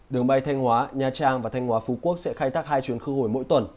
đường bay thanh hóa nha trang và thanh hóa phú quốc sẽ khai thác hai chuyến khứ hồi mỗi tuần